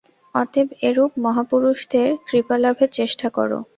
অতএব এরূপ মহাপুরুষদের কৃপালাভের চেষ্টা কর।